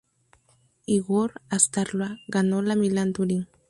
Igor Astarloa ganó la Milán-Turín.